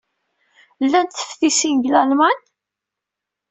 Llant teftisin deg Lalman?